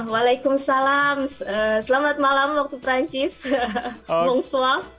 waalaikumsalam selamat malam waktu perancis